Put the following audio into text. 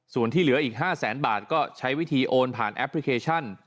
ส่วนที่เหลืออีก๕แสนบาทก็ใช้วิธีโอนผ่านแอปพลิเคชัน